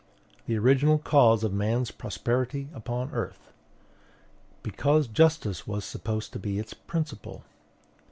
"The original cause of man's prosperity upon earth." Because justice was supposed to be its principle.